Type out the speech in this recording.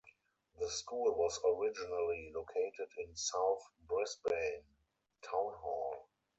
The school was originally located in South Brisbane Town Hall.